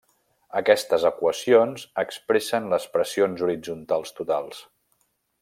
Aquestes equacions expressen les pressions horitzontals totals.